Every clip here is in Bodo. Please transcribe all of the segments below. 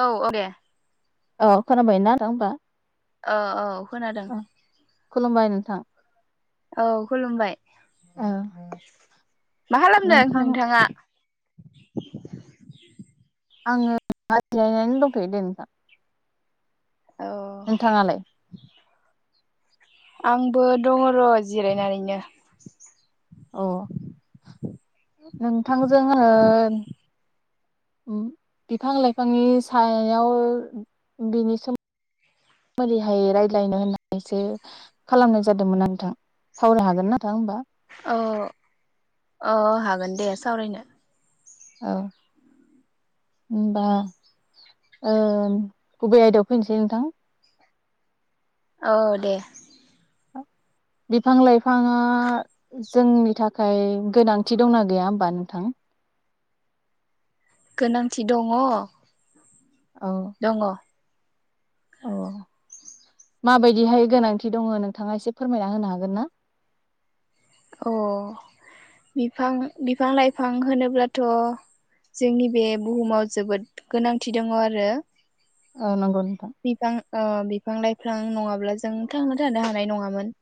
औ औ दे औ खोनाबाय ना नोंथां होमबा ओ औ खोनादों औ खुलुमबाय नोंथां औ खुलुमबाय औ मा खालामदों नोंथां नोंथाङा [inaudible] आङो [inaudible] दंथयो दे नोंथां औ नोंथाङालाय आंबो दङ र' जिरायनानैनो अ नोंथांजों आङो ओम बिफां लाइफांनि सायाव बिनि सोमोन्दै हाय रायज्लायनो होननानैसो खालामनाय जादोंमोन नोंथां सावराय हागोना नोंथां होमबा अ अ हागोन दे सावरायनो औ होनबा ओ गुबै आयदायाव फैनोसै नोंथां औ दे बिफां लाइफाङा जोंनि थाखाय गोनांथि दंना गैया होनबा नोंथां? गोनांथि दङ औ दङ औ माबायदिहाय गोनांथि दङ नोंथाङा एसे फोरमायना होनो हागोन ना अ बिफां बिफां लाइफां होनोब्लाथ' जोंनि बे बुहुमाव जोबोद गोनांथि दङ आरो ओ नंगौ नोंथां बिफां ओ बिफां लाइफां नङाब्ला जों थांना थानो हानाय नङामोन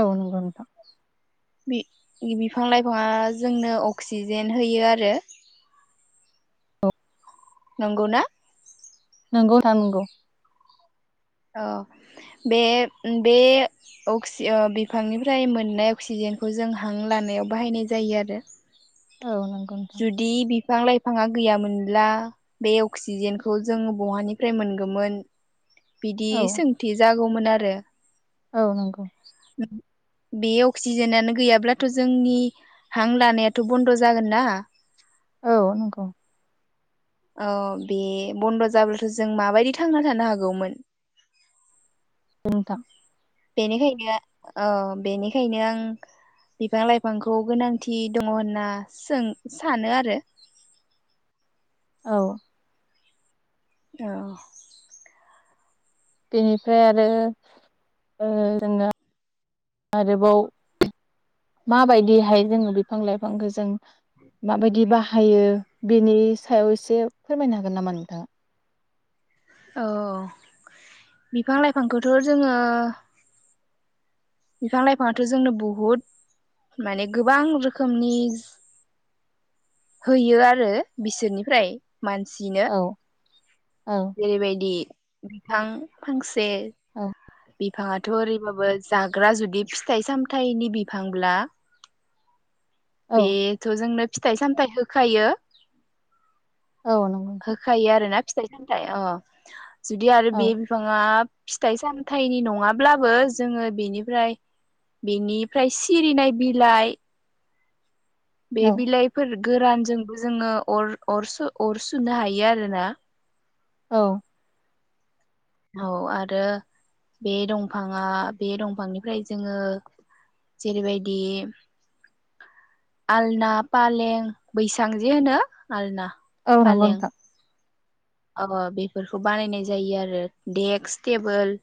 औ नोंगौ नोंथां बि- बिफां लाइफाङा जोंनो अक्सिजेन होयो आरो नंगौना? नोंगौ नोंथां नोंगौ अ बे बे अक्सि ओ बिफांनिफ्राय मोननाय अक्सिजेनखौ जों हां लानायाव बाहायनाय जायो आरो औ नंगौ नोंथां जुदि बि बिफां लाइफाङा गैयामोनब्ला बे अक्सिजेनखौ जों बहानिफ्राय मोनगोमोन बिदि औ सोंथि जा गौमोन आरो औ नंगौ बे अक्सिजेनानो गैयाब्लाथ' जोंनि हां लानायाथ' बन्द' जागोनना औ नंगौ अ बे बन्द' जाब्लाथ' जों माबायदि थांना थानो हागौमोन नोंथां बेनिखायनो औ बेनिखायनो आं बिफां लाइफांखौ गोनांथि दङ होनना सों सानो आरो औ औ बेनिफ्राय आरो ओ जोङो आरोबाव माबायदिहाय जोङो बिफां लाइफांखौ जों माबायदि बाहायो बेनि सायाव एसे फोरमायनो हागोन नामा नोंथाङा? औ बिफां लाइफांखौथ' जोङो बिफां लाइफाङाथ' जोंनो बहुद माने गोबां रोखोमनि होयो आरो बिसोरनिफ्राय मानसिनो औ औ जेरैबायदि बिफां फांस से औ बि बिफाङाथ' ओरैबाबो जाग्रा जुदि फिथाइ सामथाइनि बिफांब्ला औ बेथजोंनो फिथाइ सामथाइ होखायो औ नंगौ नोंथां होखायो आरोना फिथाइ सामथाइ अ जुदि आरो बे औ बिफाङा फिथाइ सामथाइनि नङाब्लाबो जोङो बेनिफ्राय बेनिफ्राय सिरिनाय बिलाइ बे औ बिलाइफोर गोरानजोंबो जोङो अर अर अर सुनो हायो आरोना औ औ आरो बे दंफाङा बे दंफांनिफ्राय जोङो जेरैबायदि आलना फालें बैसां जे होनो आलना औ नंगौ फालें नोंथां अ बेफोरखौ बानायनाय जायो आरो डेक्स टेबोल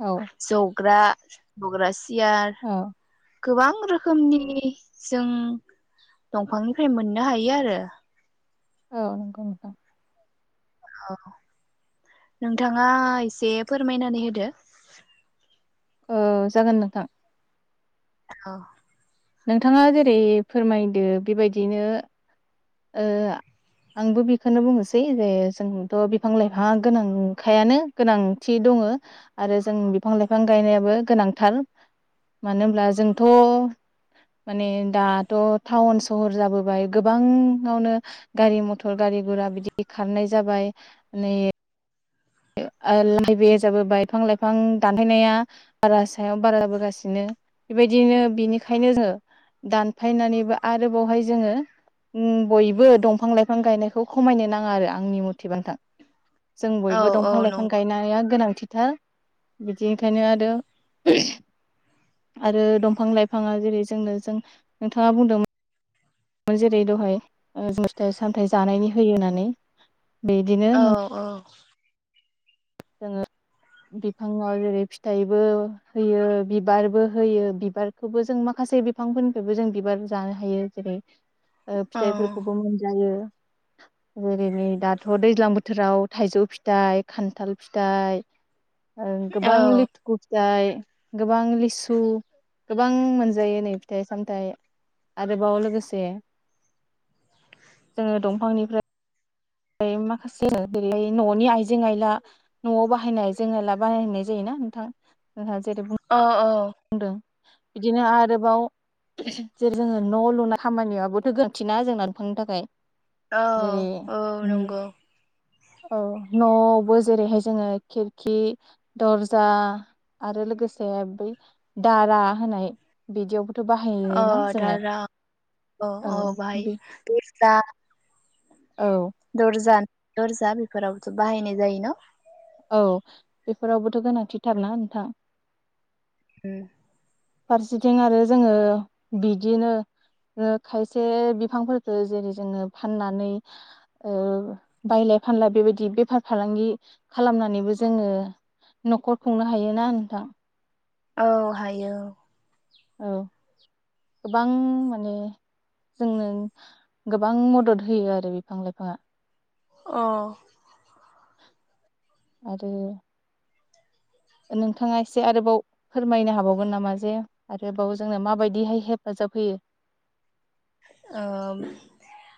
औ जग्रा [unintelligible] यार औ गोबां रोखोमनि जों दंफांनिफ्राय मोननो हायो आरो औ नंगौ नोंथां औ नोंथाङा एसे फोरमायनानै होदो ओ जागोन नोंथां औ नोंथाङा जेरै फोरमायदो बेबायदिनो ओ आंबो बेखौनो बुंनोसै जे जोंथ' बिफां लाइफाङा गोनांखायानो गोनांथि दङ आरो जों बिफां लाइफां गायनायाबो गोनांथार मानो होनब्ला जोंथ' माने दाथ' टाउन सहर जाबोबाय गोबां ङावनो गारि मथर गारि गुरा बिदि खारनाय जाबाय माने लाइ बे जाबो बाय बिफां लाइफां दानफायनाया बारा सायाव बारा जाबोगासिनो बेबायदिनो बिनिखायनो जोङो दानफायनानैबो आरोबावहाय जोङो बयबो दंफां लाइफां गायनायखौ खमायनो नाङा आरो आंनि मथेबा नोथां जों औ बो औ दंफां नं लाइफां गायनाया गोनांथि थार बिदि ओंखायनो आरो आरो दंफां लाइफाङा जेरै जोंनो जों नोंथाङा बुंदोंमोन जेरै दहाय जों फिथाइ सामथाइ जानायनि होयो होननानै बिदिनो औ औ [inaudible] जोङो बिफाङाव जेरै फिथाइबो होयो बिबारबो होयो बिबारखौबो जों माखासे बिफांफोरनिफ्रायबो जों बिबार जानो हायो जेरै ओ औ फिथाइफोरखौबो मोनजायो जेरै नै दाथ' दैज्लां बोथोराव थाइजौ फिथाइ खान्थाल फिथाइ ओ गोबां औ लिथुखु जाय गोबां लिसु गोबां मोनजायो नै फिथाइ सामथाइ आरोबाव लोगोसे जोङो दंफांनिफ्राय माखासे [inaudible] न'नि आइजें आइला न'आव बाहायनाय आइजें आइला बानायनाय जायोना नोंथां नोंहा जेरै अ अ बुंदों बिदिनो आरोबाव जेर जोङो न' लुनाय खामानियावाबोथ' गोरोन्थि ना जोंना दफांनि थाखाय औ जेरै औ नंगौ औ न'आवबो जेरैहाय जोङो खिरखि दर्जा आरो लोगोसे बै दारा होनाय बिदियावबो अ दारा औ औ बाय बे जा औ दरजा दरजा बेफोरावबोथ' बाहायनाय जायो न औ बेफोरावबोथ' गोनांथिथारना नोंथां उम फारसेथिं आरो जोङो बिदिनो ओ खायसे बिफांफोरखो जेरै जोङो फाननानै ओ बायलाय फानलाय बेबायदि बेफार फालांगि खालामनानैबो जोङो न'खर खुंनो हायोना नोंथां औ हायो औ औ गोबां माने जोंनो गोबां मदद होयो आरो बिफां लाइफाङा अ आरो नोंथाङा एसे आरोबाव फोरमायनो हाबावगोन नामा जे आरोबाव जोंनो माबायदिहाय हेफाजाब होयो ओ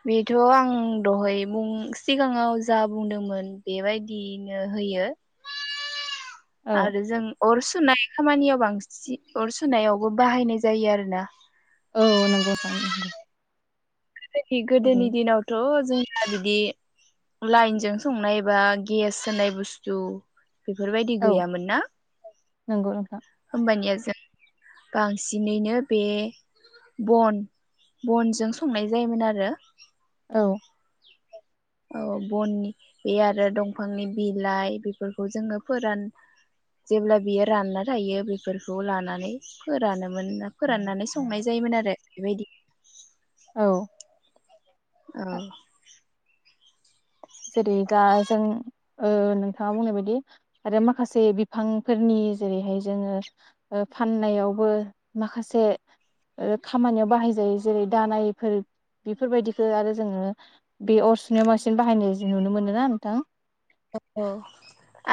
बेथ' आं दहाय बुं सिगाङाव जा बुंदोंमोन बेबायदिनो होयो औ [unintelligible] आरो जों अर सुनाय खामानियाव बांसिन अर सुनायावबो बाहायनाय जायो आरो ना औ नोंगौ थां नंगौ गोदोनि जेरै गोदोनि दिनावथ' जों बिदि लाइनजों संनाय बा गेस होन्नाय बुस्थु बेफोरबायदि गैयामोन ना नोंगौ नोंथां होमबानिया जों बांसिनैनो बे बन बनजों संनाय जायोमोन आरो औ औ बननि बे आरो दंफांनि बिलाइ बिफोरखौ जोङो फोरान जेब्ला बियो रानना थायो बेफोरखौ लानानै फोरानो मोन फोराननानै संनाय जायोमोन आरो बेबायदि औ औ जेरै दा जों ओ नोंथाङा बुंनाय बायदि आरो माखासे बिफांफोरनि जेरैहाय जोङो ओ फाननायावबो माखासे खामानियाव बाहाय जायो जेरै दानायफोर बेफोरबायदिखौ आरो जोङो बे अरसुनियाव बांसिन बाहायनाय नुनो मोनोना नोंथां औ औ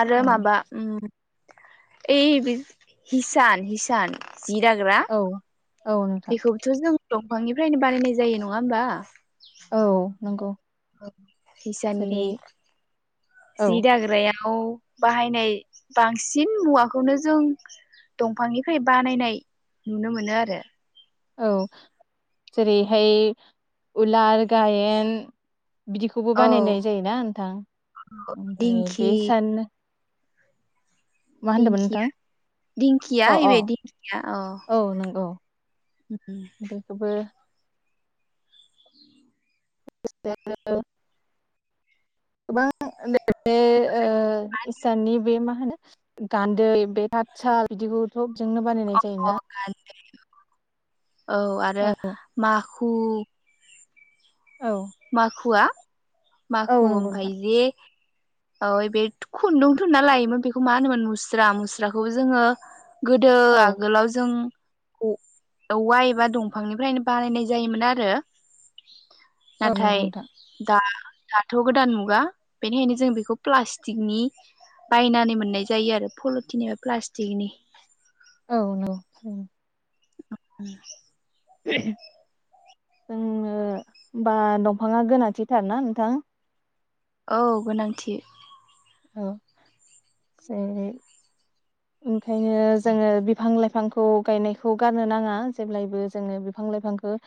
आरो माबा ओम ओइ बे हिसान हिसान जिदाग्रा औ औ नोंथां बेखौबोथ' जों दंफांनिफ्रायनो बानायनाय जायो नङा होमबा औ नोंगौ हिसाननि औ जि दाग्रायाव बाहायनाय बांसिन मुवाखौनो जों दंफांनिफ्राय बानायनाय नुनो मोनो आरो औ जेरैहाय उलार गायेन बिदिखौबो औ बानायनाय जायोना नोंथां ओमफाय दिंखि बे सान मा होनदोंमोन नोंथां दिंखिया दिंखिया अ अ बे दिंखिया औ बेखौबो [unintelligible] गोबां [unintelligible] इसाननि बे मा गान्दै बे थात साल बिदिखौथ' जोंनो बानायनाय जायोना औ आरो मा खु औ माखुवा औ माखु नंगौ ओमफाय नोंथां जे औओइ बे खुन्दुं थुनना लायोमोन बेखौ मा होनोमोन मुस्रा मुस्राखौबो जोङो गोदो औ आगोलाव जों औ-औवा एबा दंफांनिफ्रायनो बानायनाय जायोमोन आरो। औ नंगौ नाथाय नोंथां दा दाथ' गोदान मुगा बेनिखायनो जों बेखौ प्लास्टिकनि बायनानै मोननाय जायो आरो पलिटिनि एबा प्लास्टिकनि- औ नंगौ। [unintelligible] जोंनो ओमबा दंफाङा गोनांथिथारना नोंथां। औ गोनांथि। औ जेरै ओंखायनो जोङो बिफां लाइफां बिफांखौ गायनायखौ गारनो नाङा जेब्लायबो जोङो बिफां लाइफांखौ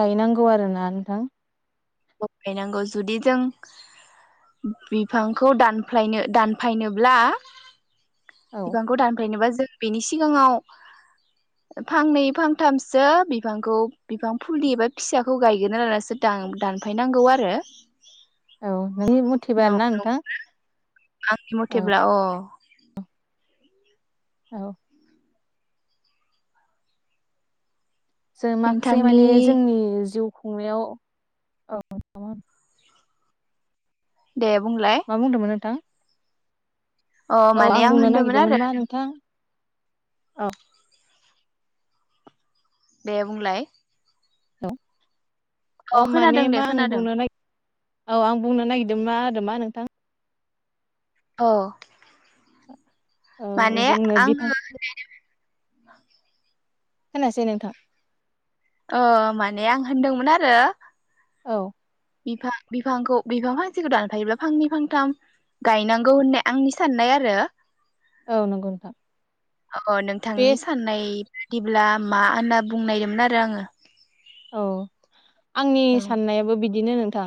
गायनांगौ आरो ना नोंथां। औ गायनांगौ जुदि जों बिफांखौ दानफायनो दानफायनोब्ला औ बिबांखौ दानफ्रायनोबा जों बेनि सिगाङाव फांनै फांथामसो बिफांखौ बिफां फुलि एबा फिसाखौ गायगोना लानासो दान दा साफैनांगौ आरो औ नोंनि मथिबा न' आरो ना नोंथां। आंनि औ मथेब्ला अ औ जों माखासे नोंथांनि माने जोंनि जिउ। खुंनायाव औमोन दे बुंलाय मा बुंदोंमोन नोंथां? अ औ माने आं बुंनो होनदोंमोन नागिरदोंमोन आरो मा नोंथां औ दे बुंलाय औ' अ माने खोनादों दे मा आं खोनादों बुंनो नागिर औ आं बुंनो नागिरदों मा आरो मा नोंथां अ औ माने जोंनो बिफां आङो [unintelligible] [unintelligible] खोनायासै नोंथां ओ माने आं होनदोंमोन आरो औ बिफां बिफांखौ बिफां फांसेखौ दानफायोब्ला फांनै फांथाम गायनांगौ होननाय आंनि साननाय आरो औ नंगौ नोंथां अ बे नोंथांनि साननाय बिदिब्ला मा होनना बुंनायदोंमोन आरो आङो औ आंनि आङो साननायाबो बिद बिदिनो नोंथां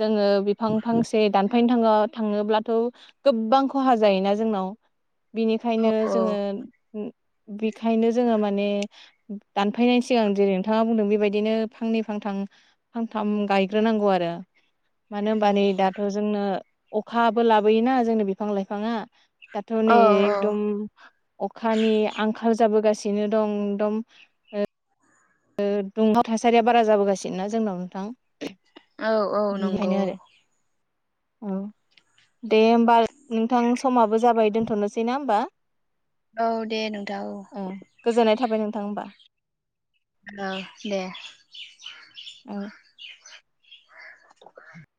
जोङो बिफां फांसे दान फायनो थाङो थाङोब्लाथ' गोबां खहा जायोना जोंनाव औ बिनिखायनो जोङो बेखायनो जोङो माने दानफायनायनि सिगां जेरै नोंथाङा बुंदों बे बेबायदिनो फांनै फांथाम फांथाम गायग्रोनांगौ आरो मानो होनबा नै दाथ' जोंनो अखाबो लाबोयोना जोंनो बिफां लाइफाङा दाथ' औ नै एकदम अखानि आंखाल जाबोगासि बिनो दं दम ओ ओ दुंहाव थासारिया बारा जाबोगासिनो ना जोंनाव नोंथां औ औ नंगौ बेनिखायनो आरो औ दे होमबा नोंथां समाबो जाबाय दोनथ'नोसै ना होमबा औ दे नोंथां औ ओ गोजोननाय थाबाय नोंथां होमबा औ दे औ [inaudible]